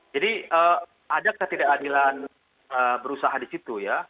jadi ada ketidakadilan berusaha di situ ya